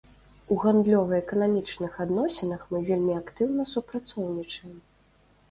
У гандлёва-эканамічных адносінах мы вельмі актыўна супрацоўнічаем.